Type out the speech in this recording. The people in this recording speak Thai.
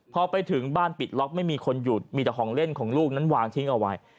พอไปถึงบ้านปิดล็อกไม่มีคนหยุดมีแต่ของเล่นของลูกนั้นวางทิ้งเอาไว้